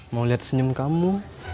mau liat senyum kamu